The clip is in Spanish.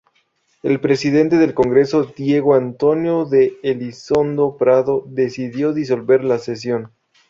El presidente del Congreso, Diego Antonio de Elizondo Prado, decidió disolver la sesión.